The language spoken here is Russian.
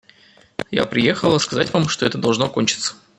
Я приехала сказать вам, что это должно кончиться.